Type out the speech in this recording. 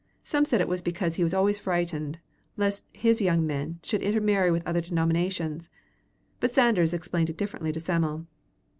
Some said it was because he was always frightened lest his young men should intermarry with other denominations, but Sanders explained it differently to Sam'l.